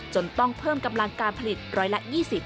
ต้องเพิ่มกำลังการผลิตร้อยละ๒๐